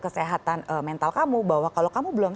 kesehatan mental kamu bahwa kalau kamu belum